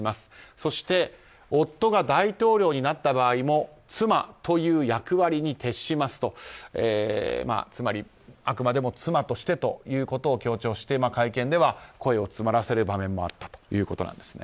そして夫が大統領になった場合も妻という役割に徹しますとつまり、あくまでも妻としてということを強調して会見では、声を詰まらせる場面もあったということなんです。